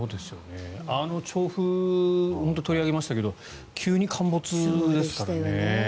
あの調布取り上げましたけど急に陥没ですからね。